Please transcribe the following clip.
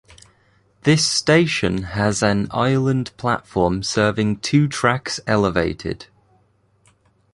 This station has an island platform serving two tracks elevated.